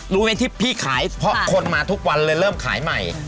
รู้ไหมที่พี่ขายเพราะคนมาทุกวันเลยเริ่มขายใหม่